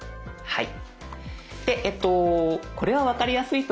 はい。